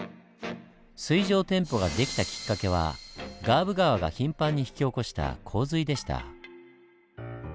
水上店舗が出来たきっかけはガーブ川が頻繁に引き起こした洪水でした。